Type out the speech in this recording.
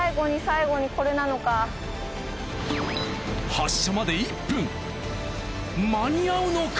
発車まで１分間に合うのか！？